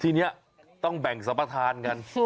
ทีนี้ต้องแบ่งสรรปทานกัน